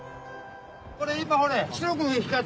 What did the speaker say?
これ今ほれ。